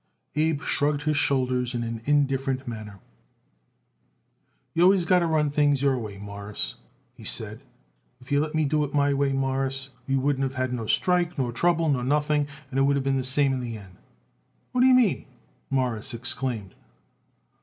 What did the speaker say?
Abe shrugged his shoulders in an indifferent manner. "You always got to run things your way, Mawruss," he said. "If you let me do it my way, Mawruss, we wouldn't of had no strike nor trouble nor nothing, and it would of been the same in the end." "What d'ye mean?" Morris exclaimed.